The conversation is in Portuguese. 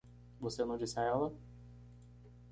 Você não disse a ela?